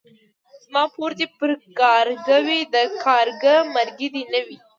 زما پور دي پر کارگه وي ،د کارگه مرگى دي نه وي.